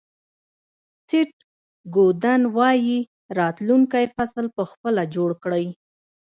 سیټ گودن وایي راتلونکی فصل په خپله جوړ کړئ.